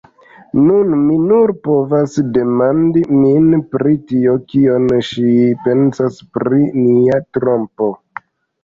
Nun, mi nur povas demandi min pri tio, kion ŝi pensas pri mia trompo.